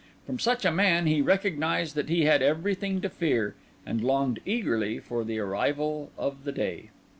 From such a man he recognised that he had everything to fear, and longed eagerly for the arrival of the day.